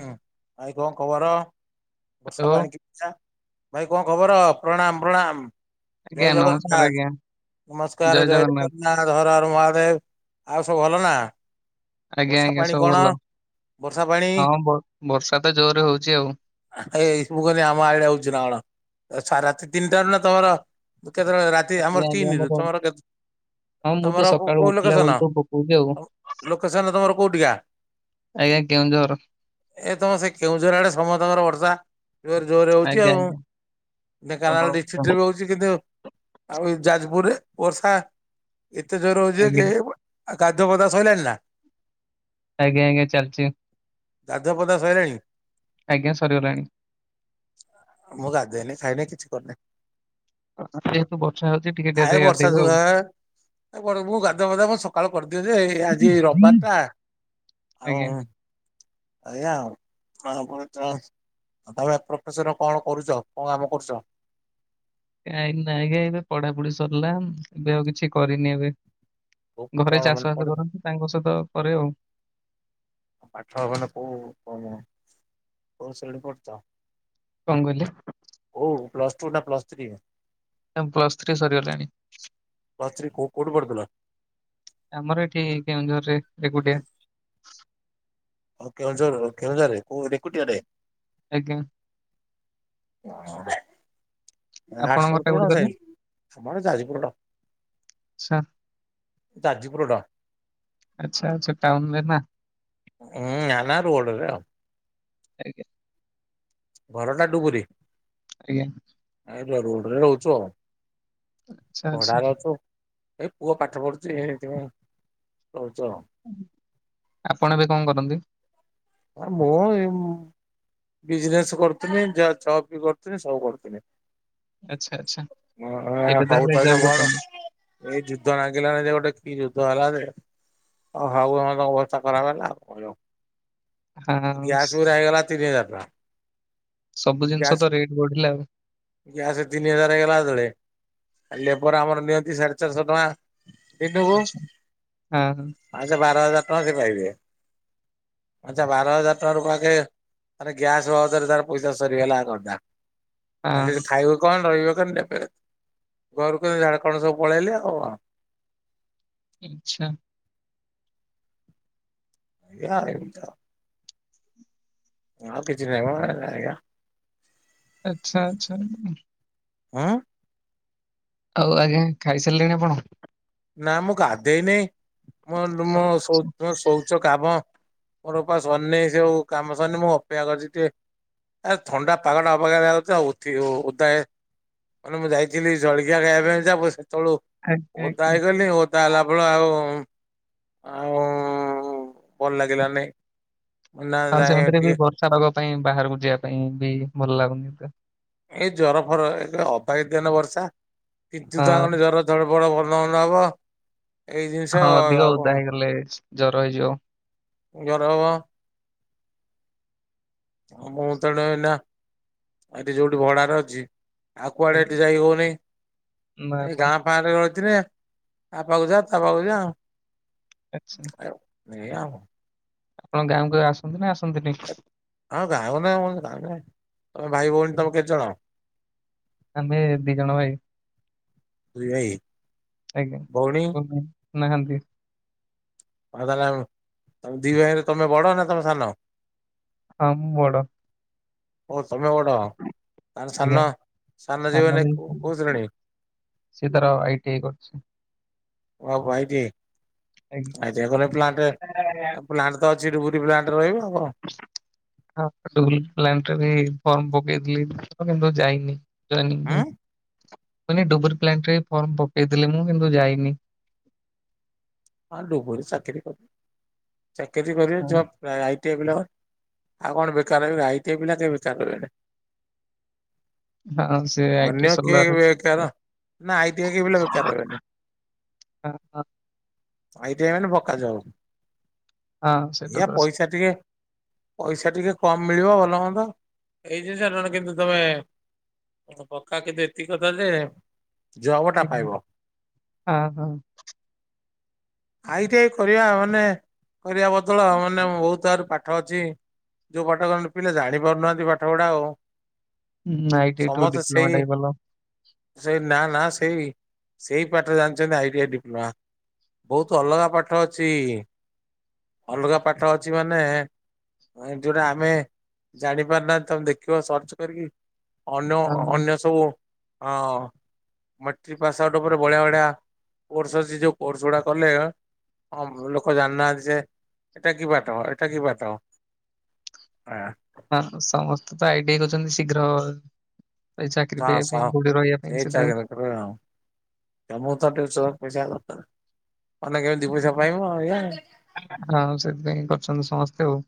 ହୁଁ ଆଉ କଣ ଖବର? ବର୍ଷା ହ୍ୟାଲୋ ପାଇଁକି ଭାଇ କଣ ଖବର? ପ୍ରଣାମ ପ୍ରଣାମ। ଆଜ୍ଞା ଜୟ ନମସ୍କାର ଜଗନ୍ନାଥ ଆଜ୍ଞା ନମସ୍କାର ଜୟ ଜଗ [unintelligible] [unintelligible] ହର ହର ମହାଦେବ, ଆଉ ସବୁ ଭଲ ନା? ଆଜ୍ଞା ବର୍ଷା ଆଜ୍ଞା ପାଣି ସବୁ କଣ? ଭଲ, ବର୍ଷା ପାଣି ହଁ ବର୍ଷା ତ ଜୋରରେ ହଉଛି ଆଉ। ଏଇସବୁ କରି ଆମ ଆଡେ ହଉଛି ନା କଣ, ରାତି ତିନିଟାରୁ ନା ତମର କେତେବେଳେ ରାତି ଆଜ୍ଞା ଆମର ଆଜ୍ଞା ତିନିରୁ, ମୋର ତମର କେତେ? ହଁ ମୁଁ ତ ତମର କୋ ସକାଳୁ କୋଉ ଉଠିଲା ଲୋକେସନ୍, ବେଳଠୁ ପକଉଛି ଆଉ ଲୋକେସନ୍ ତମର କୋଉଠିକା? ଆଜ୍ଞା କେଉଁଝର। ଏ ତମ ସେ କେଉଁଝର ଆଡେ ସମସ୍ତଙ୍କର ବର୍ଷା। ଜୋର ଜୋରରେ ହଉଛି ଆଜ୍ଞା ଆଉ, ଆଜ୍ଞା ପ୍ରବଳ ଢେଙ୍କାନାଳ ବର୍ଷା ଡିଷ୍ଟ୍ରିକ୍ଟ ରେ ବି ହଉ ଚି, କିନ୍ତୁ ଆଉ ଯାଜପୁରରେ ବର୍ଷା ଏତେ ଜୋରେ ହଉଛି ଆଜ୍ଞା ଯେ ଆଉ ଗାଧୁଆ ପାଧୁଆ ସଇଲାଣି ନା? ଆଜ୍ଞା ଆଜ୍ଞା ଚାଲିଚି। ଗାଧୁଆ ପାଧୁଆ ସଇଲାଣି? ଆଜ୍ଞା ସରିଗଲାଣି। ମୁଁ ଗାଧେଇନି ଖାଇନି କିଛି କରିନି। ଯେହେତୁ ବର୍ଷା ହଉଚି, ଟିକେ ଆ ଏ ଡେରିରେ ବର୍ଷା ଗାଧେଇବି ଆଉ। ଯୋଗୁ ମୁଁ ଗାଧୁଆ ପାଧୁଆ କଣ ସକାଳୁ କରିଦିଏ ଯେ, ଆଜି ରବିବାର ଟା ଆଉ ଆଜ୍ଞା ଆଜ୍ଞା [unintelligible] ତମେ ପ୍ରଫେସନ କଣ କରୁଚ, କଣ କାମ କରୁଚ? ନାଇଁ ଆଜ୍ଞା ଏବେ ପଢାପଢି ସରିଲା, ଏବେ ଆଉ କିଛି କରିନି ଏବେ। ଘରେ କଣ ମାନେ ଚାଷ ବାସ ପଢୁଛ କରନ୍ତି, ତାଙ୍କ ସହିତ କରେ ଆଉ। ପାଠ ମାନେ କୋଉ କଣ କୋଉ ଶ୍ରେଣୀ ପଢ଼ୁଚ? କଣ କହିଲ? ଓ ପ୍ଲସ ଟୁ ନା ପ୍ଲସ ଥ୍ରୀ? ହଁ ପ୍ଲସ୍ ଥ୍ରୀ ସରିଗଲାଣି। ପ୍ଲସ ଥ୍ରୀ କୋଉ କୋଉଠି ପଢୁଥିଲ? ଆମର ଏଠି କେଉଁଝରରେ ରେକୁଟିଆ। ଓ କେଉଁଝରର କେଉଁଝରରେ କୋଉ ରେକୁଟିଆରେ? ଆଜ୍ଞା। ହଁ। ଆପଣଙ୍କ ଆର୍ଟ୍ସ ଘରଟା ପଡୁଥିଲ ନା କୋଉଠି କହିଲେ? ସାଇନ୍ସ? ଆମର ଯାଜପୁର ଟାଉନ୍। ଆଚ୍ଛା ଯାଜପୁର ଟା। ଆଚ୍ଛା ଆଚ୍ଛା ଟାଉନ୍ ରେ ନା? ଉଁ - ନାଁ - ନାଁ ରୋଡରେ ଆଉ। ଆଜ୍ଞା। ଘରଟା ଡୁବୁରି? ଆଜ୍ଞା। ଏଇ ତ ରୋଡରେ ରହୁଛୁ ଆଉ, ଆଚ୍ଛା ଆଚ୍ଛା ଭଡାରେ ଅଛୁ। ଏ ପୁଅ ପାଠ ପଢୁଛି ସେଇଥିପାଇଁ ରହୁଛୁ ଆଉ। ଆପଣ ଏବେ କଣ କରନ୍ତି? ଆ ମୋ ଏମ ବିଜନେସ କରୁଥିଲି, ଯ ଜବ୍ ବି କରୁଥିଲି ସବୁ କରୁଥିଲି। ଆଚ୍ଛା ଆଚ୍ଛା ଏବେ ଆ ହଉ ଜବ୍ ତାହେଲେ କରୁଛନ୍ତି [unintelligible] ଏଇ ଯୁଦ୍ଧ ନାଗିଲାନି ଯେ ଗୋଟେ କି ଯୁଦ୍ଧ ହେଲା ଯେ ଓ ହଉ ଆମ ଅବସ୍ଥା ଖରାପ ହେଲା ଆଉ କଣ। ହଁ। ସ ଗ୍ୟାସ ଗୁରା ହେଇଗଲା ତିନିହଜାର ଟଙ୍କା। ସବୁ ଗ୍ୟାସ ଜିନିଷ ତ ରେଟ୍ ବଢିଲା ଆଉ ଗ୍ୟାସ ତିନି ହଜାର ହେଇଗଲା ଯେତେବେଳେ ଆ ଲେବର ଆମର ନିଅନ୍ତି ସାଢେ ଚାରିଶହ ଟଙ୍କା ଦିନୁକୁ ଆଚ୍ଛା ହଁ ହଁ ପା ସେ ବାର ହଜାର ଟଙ୍କା ସେ ପାଇବେ। ଆଚ୍ଛା ବାର ହଜାର ଟଙ୍କା ରୁ ପାକେ ମାନେ ଗ୍ୟାସ ବାବଦରେ ତାର ପଇସ ସରିଗଲା। [unintelligible] ଆଉ ସେ ହଁ। ତ ଖାଇବ କଣ ରହିବେ କଣ ନେବେ ଘରକୁ ଝାଡଖଣ୍ଡ ସବୁ ପଳେଇଲେ ଆଉ। ଆଚ୍ଛା। ଏଇଆ ଏମିତି ଆଉ ଆଉ କିଛି ନାହିଁ ମ ହେଲା ଏଇଆ। ଆଚ୍ଛା ଆଚ୍ଛା ଉଁ। ହଁ? ଆଉ ଆଜ୍ଞା ଖାଇସାରିଲେଣି ଆପଣ? ନା ମୁଁ ଗାଧେଇନି ମୁ ନ ମୁ ସୌ ଆଚ୍ଛା। ମୁଁ ସୌ ସବୁ କାମ ମୋରପା ସରନି ସେଉ କାମ ସରନି ମୁଁ ଅପେକ୍ଷା କରିଛି ଟିକେ ଆ ଥଣ୍ଡା ପାଗଟା ଅବାଗ୍ୟା ଲାଗୁଛି ଉଠି ଓ ଓଦାଏ ମାନେ ମୁଁ ଯାଇଥିଲି ଜଳଖିଆ ଖାଇବା ପାଇଁ ସବୁ ସେତେବେଳୁ ଆଜ୍ଞା। ଆଜ୍ଞା ଟ୍ରାଏ କଲି ବହୁତ ବର୍ଷା ହେଲା ଫଳରେ ଆଉ ଆଉ ଭଲ ଲାଗିଲାନାଇଁ। ହଁ ସେମିତିରେ ବି ବର୍ଷା ପାଗ ପାଇଁ ବାହାରକୁ ଯିବା ପାଇଁ ବି ଭଲ ଲାଗୁନି ଏତେ। ଏଇ ଜର ଫର ଏ ଅବାଗ୍ୟା ଦିନ ବର୍ଷା ତିନ୍ତୁଚ ହଁ ମାନେ ଜର ତେ ବେଳେ ବଡ ଭଲମନ୍ଦ ହବ। ଏଇ ଜିନିଷ ହଁ ଅଧିକ ଆଉ କଣ ଓଦା ହେଇଗଲେ ଜର ହେଇଯିବ। ଜର ହବ। ମୁଁ ତେଣୁ ଏଇନା ଏଠି ଯୋଉଠି ଭଡାରେ ଅଛି ଆଉକୁୁଆଡେ ଆଜ୍ଞା ଏଠି ଯାଇହଉନାଇଁ। ନା ଏ ନା ଗାଁ ପାରେ ରହିଥିଲେ ଆପାକୁ ଯା ତାପାକୁ ଯା। ଆଚ୍ଛା ଏ ଆ। ଆପଣ ଗାଁକୁ କେବେ ଆସନ୍ତି ନା ଆସନ୍ତିନି? ଆଉ ଗାଉ ନା ଗାଉ ନାଁ ତମେ ଭାଇ ଭଉଣୀ ତମେ କେତେ ଜଣ? ଆମେ ଦି ଜଣ ଭାଇ। ଦି ଭାଇ? ଆଜ୍ଞା ଭଉଣୀ [unintelligible] ନାହାନ୍ତି। [unintelligible] ଦି ଭାଇରେ ତମେ ବଡ ନା ତମେ ସାନ? ହଁ ମୁଁ ବଡ଼। ଓ ତମେ ବଡ। ଆଉ ସାନ ଆଜ୍ଞା ସାନ ଜୀବନ କୋଉ ଶ୍ରେଣୀ? ସିଏ ତାର ଆଇ ଟି ଆଇ କରିଛି। ଆଉ ଭାଇ ଟିଏ ଆଜ୍ଞା। ଆ ଯେକୌଣସି ପଲାଣ୍ଟ ପ୍ଲାଣ୍ଟ ତ ଅଛି ଡବୁରୀ ପ୍ଲାଣ୍ଟରେ ରହିବ ଆଉ କଣ। ହଁ ଡୁବୁରୀ ପ୍ଲାଣ୍ଟ ରେ ବି ଫର୍ମ ପକେଇଥିଲି କିନ୍ତୁ ଯାଇନି। ଯୋଇନିଂ ଉଁ ପାଇଁ [unintelligible] ଡୁବୁରୀ ପ୍ଲାଣ୍ଟରେ ଫର୍ମ ପକେଇଥିଲି କିନ୍ତୁ ଯାଇନି। ହଁ ଡୁବୁରୀ ଚାକିରି କରିବ ଚାକିରି କରିବେ ହଁ ଜବ୍ ଆଇଟିଇ ପିଲା କ ଆଉ କଣ ବେକାର ରହ ଆଇଟିଆଇ ପିଲା କେ ବେକାର ରହିବେନି। ହଁ ସେ ଆଇ ଟି ଅନ୍ୟ କେ ସରିଲା ପରେ ପକେଇବ। ବେକାର ନାଁ ଆଇ ଟି ଆଇ ପିଲା ବେକାର ରହିବେନି। ହ ହ। ଅଟିଆଇ ମାନେ ପକାଯାଉ ହଁ ସେଇଟା ଏଇଆ ତ ସ- ପଇସା ଟିକେ ପଇସା ଟିକେ କମ୍ ମିଳିବ ଭଲ ହୁଅନ୍ତ। ଏଇ ଜିନଷ ଜଣ କିନ୍ତୁ ତମେ ପକ୍କା କିନ୍ତୁ ଏତିକି କଥା ଯେ ଜବ ଟା ଆଜ୍ଞା ପାଇବ। ହଁ ହଁ। ଆଇଟିଆ କରିବା ମାନେ କରିବା ବଦଳ ମାନେ ବହୁତ ଆର ପାଠ ଅଛି। ଯୋଉ ପାଠ କ ପିଲା ଜାଣି ପାରୁନାହାନ୍ତି ପାଠ ଗୁଡା ଆଉ। ହୁଁ ଆଇ ଟି ଆଇ ଠୁ ସମସ୍ତେ ଡିପ୍ଲୋମା ସେଇ ଟା ବି ଭଲ ସେଇ ନା ନା ସେଇ ସେଇ ପାଠରେ ଜାଣିଛନ୍ତି ଆଇଟିଆ ଡିପ୍ଲୋମା। ବହୁତ ଅଲଗା ପାଠ ଅଛି ଅଲଗା ପାଠ ଅଛି ମାନେ ଯୋଉଟା ଆମେ ଜାଣିପାରନାହାନ୍ତି ତମେ ଦେଖିବ ସର୍ଚ୍ଚ କରିକି ଅନେ ହଁ ହଁ। ଅନ୍ୟ ସବୁ ହଁ ମଟ୍ରିକ ପାସ୍ ଆଉଟ୍ ଉପରେ ବଢିଆ ବଢ଼ିଆ କୋର୍ସ ଅଛି ଯୋଉ କୋର୍ସଗୁଡା କଲେ ହଁ ଲୋକ ଜାଣିନାହାନ୍ତି ଯେ ଏଟା କି ପାଠ ଏଇଟା କି ପାଠ। ହଁ। ହଁ ସମସ୍ତେ ତ ଆଇଟିଆଇ କରୁଛନ୍ତି ଶୀଘ୍ର ଏଇ ଚାକିରି ପାଇବା ପାଇଁ କୋଉଠି ରହିବା ପାଇଁ ସେଥିପାଇଁ। [unintelligible] ମାନେ କେମିତିି ଦି ପଇସା ପାଇବ ଏଇଆ। ହଁ ସେଥିପାଇଁ କରିଛନ୍ତି ସମସ୍ତେ ଆଉ।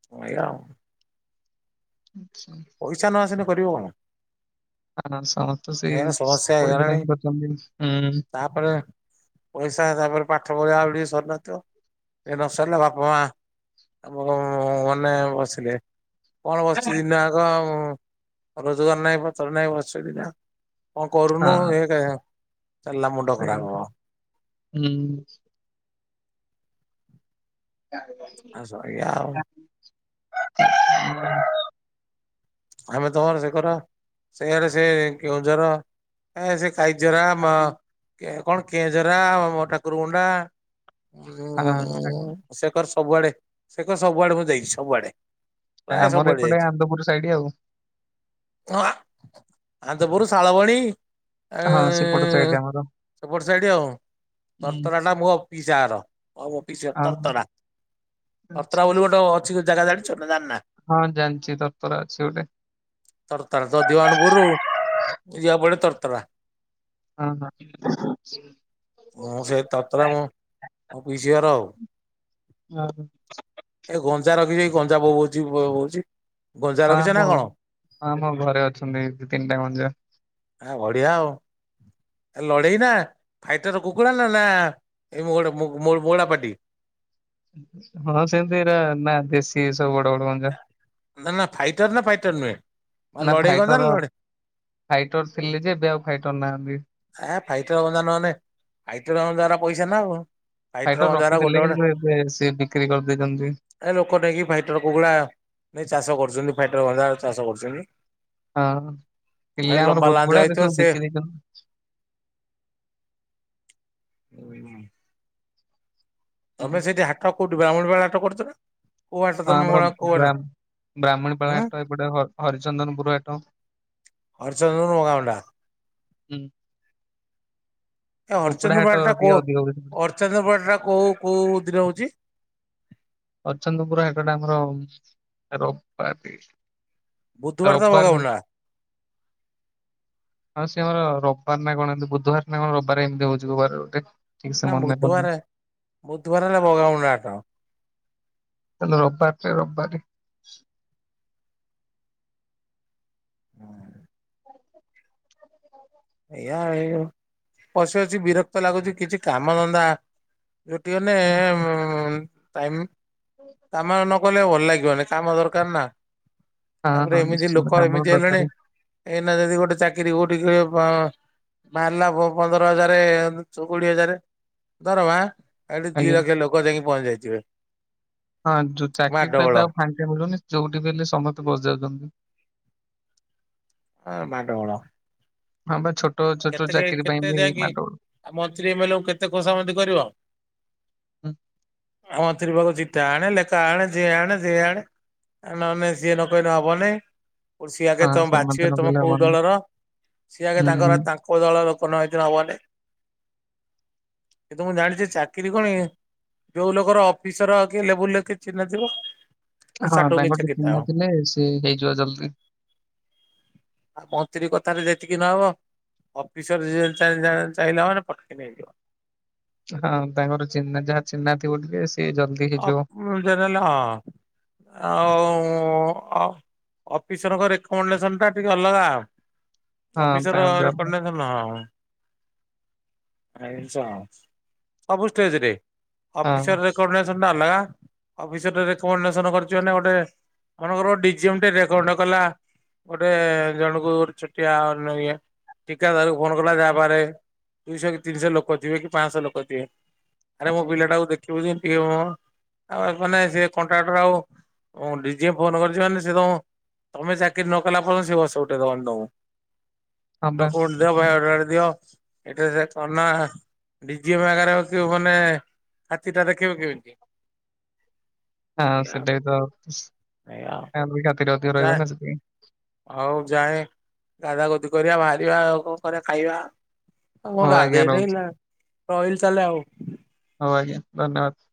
[unintelligible] ଆଛା। ପଇସା ନ ଆସିଲେ କରିବ କଣ? ହଁ ସମସ୍ତେ ଏ ସେଇ ପଇସା ପାଇଁ କରଛନ୍ତି ହଁ। ତା ପରେ ପଇସା ତା ପରେ ପାଠ ପଢିବା ଆ ଟିକେ ସରି ନଥିବ ଏ ନ ସରିଲା ବାପା ମା ଆମୁଁନ ମନେ ବସିଲେ। କଣ ବସିଛି ଦିନ ଆଗ ରୋଜଗାର ନାହିଁ ପଥର ନାହିଁ ବସିଛି ଦିନ। କଣ କରୁନୁ ହଁ ଏ ଚାଲିଲା ମୁଣ୍ଡ ସେଇ ଖରାପ ହବ? ହୁଁ। [inaudible] [unintelligible] [inaudible] ଆମେ ତମର ସେ କର ସେଇଆରେ ସେ କେଉଁ ଜର ଏ ସେ ଖାଇ ଜରା ମ କଣ କେ ଜରା ମୋ ଠାକୁର ଗୁଣ୍ଡା ଉ ହଁ ସେକର୍ ସବୁଆଡେ ସେକର୍ ସବୁଆଡେ ମୁଁ ଦେଇଛି ସବୁଆଡେ। ପ୍ରାୟ ଆମର ସବୁଆଡେ ଏପଟେ ଆନ୍ଦପୁର ସାଇଡ ଆଉ। ହ ଆନ୍ଦପୁର, ସାଳବଣି ହଁ ସେପଟ ସାଇଟ ସେପଟ ସେ ଆଠି ଆଉ। ହୁଁ ତରତରା ଟା ମୋ ପିସାର ହଉ ମୋ ପିସ ଆଉ ତରତଡା। ଅର୍ତ୍ର ବୋଲି ଗୋଟେ ଅଛି ଜାଗା ଜାଣିଛ ନା ଜାଣି ନା? ହଁ ଜାଣିଛି ଦର ତର ଅଛି ଗୋଟେ। ତରତରା ତ ଦିିବାନପୁରୁ ଯିବା ପଡ ତରତରା। ହଁ ହଁ। ମୁଁ ସେ ତରତରା ମୁଁ ମୋ ପିଶି ହର ଆଉ। ହଁ। ଏ ଗଞ୍ଜା ରଖିଛି ଏଇ ଗଞ୍ଜା ବୋ ବଉଛି ବଉଛି। ହଁ ମ ହଁ ମୋ ଘରେ ଅଛନ୍ତି ଦି, ତିନିଟା ଗଞ୍ଜା। ଆ ବଢିଆ ଆଉ। ଏ ଲଢ଼େଇ ନା ଫାଇଟର କୁକୁଡ଼ା ନା, ନା ଏ ମୋଡ ମୁ ମୋଡ ମଳା ପାଟି? ହଁ ସେମତି ଏଇରା ନା ଦେଶୀ ସବୁ ବଡ ବଡ ଗଞ୍ଜା। ନା ନା ଫାଇଟର ନା ଫାଇଟର ନୁହେଁ, ଅ, ନା ଲଢେଇ ଗଞ୍ଜା ଫାଇଟର ଲଢେ ଫାଇଟର ଥିଲେ ଯେ, ଏବେ ଆଉ ଫାଇଟର ନାହାନ୍ତି। ଏ ଫାଇଟର ଗଞ୍ଜା ନହେନେ, ଫାଇଟର ଗଞ୍ଜା ଗୁରା ପଇସା ନା ଆଉ। ଫାଇଟର ଗଞ୍ଜା ଗୁରା ଗୋଟେ ରଖିଥିଲେ ଗୋଟେ କିନ୍ତୁ ଏବେ ସିଏ ବିକ୍ରି କରିଦେଇଛନ୍ତି। ଏ ଲୋକ ନେଇକି ଫାଇଟର କୁକୁଡା ନେଇ ଚାଷ କରୁଚନ୍ତି। ଫାଇଟର ଗଞ୍ଜା ଚାଷ କରୁଛନ୍ତି। ହଁ ଏ ଥିଲେ ଆମର ଲମ୍ବା ବହୁତ ଲାଞ୍ଜ ଗୁଡା। ଏବେ ହେଇଥିବ ସବୁ ସେ ବିକି ଦେଇଛନ୍ତି। [unintelligible] ହୁଁ। ତୋମେ ସେଇଠି ହାଟ କୋଉଠି ବ୍ରାହ୍ମଣୀପାଳ ହାଟ କରୁଛ ନା? କୋଉ ହାଟ ହଁ ଆମର ତୋମର କୋଉ ବ୍ରା ହାଟ? ବ୍ରାହ୍ମଣୀପାଳ ହୁଁ ହାଟ ଏପଟେ ହ-ହରିଚନ୍ଦନପୁର ହାଟ। ଅର୍ଚେନ୍ଦୁ ମଗା ମୁଣ୍ଡା। ଉଁ,। ଏ ଅରଚନ୍ଦୁବାଡ଼ ଟା କୋଉ ଅରଚନ୍ଦ୍ରବାଡ଼ ଟା କୋଉ କୋଉ ଦିନ ହଉଚି? ଅରଚନ୍ଦୁ ପୁରା ହେକଡେ ଆମର ରବାର ଦି ବୁଧବାର ଦବ କହୁଲା। ଆଉ ସେ ଆମର ରବବାର ନା କଣ ଏମତି ବୁଧବାର ନା କଣ ରବବାର ଏମିତି ହଉଛୁ କୋଉ ବାର ଗୋଟେ। ଠିକ ସେ ନା ମନେ ପଡୁନି ବୁଧବାରେ ବୁଧବାର ହେଲେ ଭଲ ହୁଅନ୍ତା ତ। ତ ଲ-ରବାର ତ ରବାରେ ଏଇଆ ଏଇ ଉ, ପଶି ବସି ବିରକ୍ତ ଲାଗୁଛି, କିଛି କାମ ଧନ୍ଦା ଯୁଟି ଗଲେ [unintelligible] ଟାଇମ୍ କାମ ନକଲେ ଭଲ ଲାଗିବନି। କାମ ଦରକାର ନା, ହଁ ହଁ ତାପରେ ଏମିତି ନିଶ୍ଚିନ୍ତ ଲୋକ ଆମର ଏମିତି ହେଲେଣି ଦରକାର ଏଇନା ଯଦି ଗୋଟେ ଚାକିରି କୋଉଠି ହୁଏ। ଓ, ବାହାରିଲା ପ-ପନ୍ଦର ହଜାରେ ଚ-କୋଡିଏ ହଜାର ଧର ବା। ଏଠି ଦି ଆଜ୍ଞା। ଲକ୍ଷ ଲୋକ ଯାଇକି ପହଞ୍ଚି ଯାଇଥିବେ। ହଁ ଯୋଉ ଚାକିରି ତ ମାଡଗୋଳ ଏବେ ଆଉ ଫାଙ୍କା ମିଳୁନି, ଯୋଉଠି ବି ହେଲେ ସମସ୍ତେ ବସ ଯାଉଚନ୍ତି। ଏ ମାଡ ଗୋଳ। ହଁ ବା ଛୋଟ ଛୋଟ ଚାକିରି ପାଇଁ ବି ମାଡ ଗୋଳ। ଆ, ମନ୍ତ୍ରୀ, ଏ ମାନଙ୍କୁ କେତେ ଖସାମିତି କରିବ। ହୁଁ, ଓ ମନ୍ତ୍ରୀ ପାଖରୁ ଚିଠା ଆଣେ, ଲେଖା ଆଣେ ଯିଏ ଆଣେ ସିଏ ଆଣେ। ଆଉ ନନେ ସିଏ ନ କହିନେ ହବ ନାଇଁ। ଅର୍ ସିଏ ଆଗେ ହଁ ତୋମ ସେମାନେ ତ ବାଛିବେ ତୋମେ ନଗଲେ କୋଉ ହବନି। ଦଳର। ସିଏ ଆଗେ ହୁଁ, ତାଙ୍କର ତାଙ୍କ କୋଉ ଦଳ ଲୋକ ନ ହେଇଥିଲେ ହବନି। କିନ୍ତୁ ମୁଁ ଜାଣିଚି ଚାକିରି କଣ କି ଯୋଉ ଲୋକର ଅଫିସର୍ କିଏ ଲେବୁଲ୍ ରେ କିଏ ଚିହ୍ନା ଥିବ। ହଁ ସାଠୁ ତାଙ୍କର କିଛି କିଏ କିତା ହବ। ଚିହ୍ନା ଥିଲେ ସିଏ ହେଇଯିବ ଜଲଦି। ଆ, ମନ୍ତ୍ରୀ କଥାରେ ଯେତିକି ନ ହବ। ଅଫିସର୍ ଯିଏ ଚାଇଁ ଯା- ଚାହିଁଲା ମାନେ ଫଟକିନି ହେଇଯିବ। ହଁ ତାଙ୍କର ଚିହ୍ନା ଯହା ଚିହ୍ନା ଥିବ ଟିକେ ସିଏ ଜଲଦି ଅପ୍ ହେଇଯିବ। ନିଜର ହେଲେ ହଁ ଆଉ ଅ, ଅଫିସର୍ ଙ୍କ ରେକମେଣ୍ଡେସନ୍ ଟା ଟିକେ ଅଲଗା। ହଁ ଅଫିସର୍ ତାଙ୍କ ଜବ୍ ହଁ ରେକଣ୍ଡେ ସବୁ ଷ୍ଟେଜ୍ ରେ। ଅଫିସର୍ ରେକମଣ୍ଡେସନ୍ ଟା ଅଲଗା। ଅଫିସର୍ ରେକମଣ୍ଡେସନ୍ କରିଚି ମାନେ ଗୋଟେ ମନେ କର ଡିଜିଏମ୍ ଟେ ରେକର୍ଡ ନ କଲା। ଗୋଟେ ଜଣୁକୁ ଛୋଟିଆ ନ-ଇଏ ଠିକାଦାରକୁ ଫୋନ୍ କଲା ଯା ପାଖରେ ଦୁଇଶହ କି ତିନିଶହ ଲୋକ ଥିବେ, କି ପାଁଶହ ଲୋକ ଥିବେ, ଆରେ ମୋ ହଁ ପିଲାଟାକୁ ଦେଖିବୁ ଯେ ଇଏ ମୋ ଆ, ମାନେ ସିଏ କଣ୍ଟାଟର୍ ହବ। ହଁ ଡିଜିଏ ଫୋନ୍ କରିଛି ମାନେ ସିଏ ତୋମ ତୋମେ ଚାକିରି ନ କଲା ପର୍ଯ୍ଯନ୍ତ, ସିଏ ବସେଇ ଉଠେଇ ଦବନି ତୋମକୁ। ବା। ଡକ୍ୟୁମେଣ୍ଟ ଦିଅ, ବାୟୋଡାଟା ଟେ ଦିଅ। ଏଠି ସେ କଣ ନା ଡିଜି ପାଖରେ ବସିବୁ ମାନେ ହାତୀଟା ଦେଖ କେବେ କେଉଟି? ହଁ ସେଟା ବି ତ ଏଇଆ [unintelligible] ଅଧିକ ଯା ରହିବ ନା ସେଥିପାଇଁ। ହଉ ଯାଏ, ଗାଧା ଗୋଦି କରିବା ବାହାରିବା, ଆଉ କଣ କରିବା ଖାଇବା। ଆଉ ମୁଁ ହଉ ଆଜ୍ଞା ଗାଧେଇନେଇ ରହୁଛି। ଲା-ରହିଲି ତାହେଲେ ଆଉ। ହଉ ଆଜ୍ଞା ଧନ୍ୟବାଦ।